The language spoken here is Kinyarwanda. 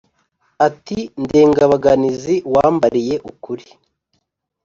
Ati: Ndengabaganizi, uwambaliye ukuli,